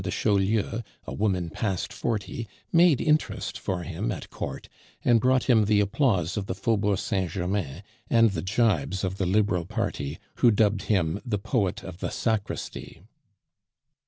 de Chaulieu (a woman past forty) made interest for him at Court, and brought him the applause of the Faubourg Saint Germain and the gibes of the Liberal party, who dubbed him "the poet of the sacristy."